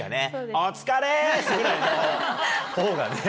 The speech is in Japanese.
「お疲れ！」ぐらいのほうがね。